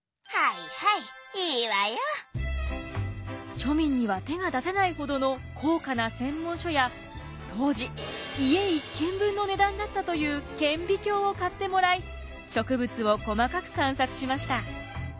庶民には手が出せないほどの高価な専門書や当時家１軒分の値段だったという顕微鏡を買ってもらい植物を細かく観察しました。